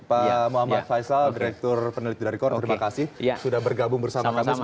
pak muhammad faisal direktur peneliti dari kor terima kasih sudah bergabung bersama kami